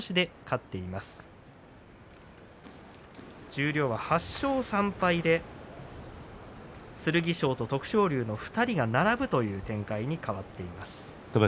十両は８勝３敗で剣翔と徳勝龍の２人が並ぶという展開です。